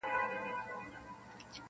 پلار یې وکړه ورته ډېر نصیحتونه-